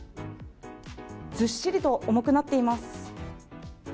ずっしりと重くなっています。